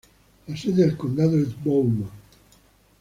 La sede del condado es Bowman.